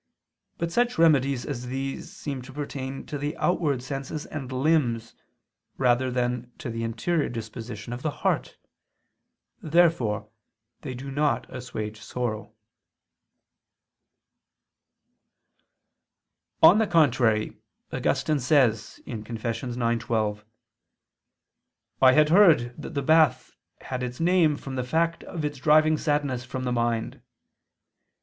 But such remedies as these seem to pertain to the outward senses and limbs, rather than to the interior disposition of the heart. Therefore they do not assuage sorrow. On the contrary, Augustine says (Confess. ix, 12): "I had heard that the bath had its name [*_Balneum,_ from the Greek balaneion] ... from the fact of its driving sadness from the mind."